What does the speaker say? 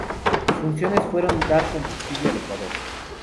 Sus funciones fueron dar combustible al Ecuador.